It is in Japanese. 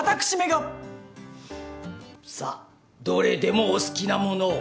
さあどれでもお好きなものを。